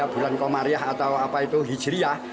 bulan komaryah atau hijriah